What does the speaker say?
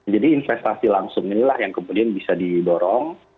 jadi investasi langsung inilah yang kemudian bisa didorong